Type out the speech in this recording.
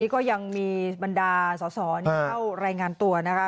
ก็ยังมีบรรดาสอสอเข้ารายงานตัวนะคะ